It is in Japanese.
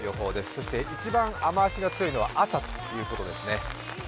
そして一番雨足が強いのは朝ということですね。